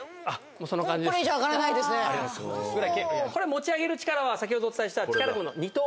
持ち上げる力は先ほどお伝えした。